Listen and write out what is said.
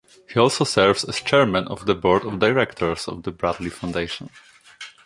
He also serves as Chairman of the Board of Directors of the Bradley Foundation.